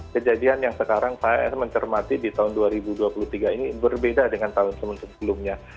kejadian yang sekarang saya mencermati di tahun dua ribu dua puluh tiga ini berbeda dengan tahun sebelumnya